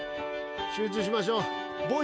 集中しましょう。